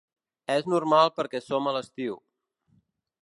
És normal perquè som a l'estiu.